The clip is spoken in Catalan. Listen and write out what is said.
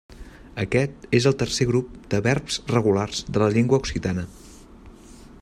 Aquest és el tercer grup de verbs regulars de la llengua occitana.